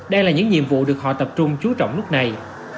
đây là những nhiệm vụ được họ tập trung chú trọng lúc này